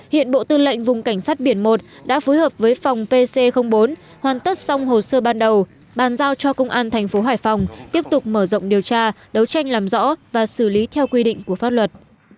hiện bộ tư lệnh vùng cảnh sát biển một đã phối hợp với phòng pc bốn hoàn tất xong hồ sơ ban đầu bàn giao cho công an thành phố hải phòng tiếp tục mở rộng điều tra đấu tranh làm rõ và xử lý theo quy định của pháp luật